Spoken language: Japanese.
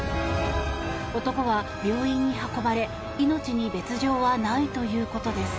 男は病院に運ばれ命に別条はないということです。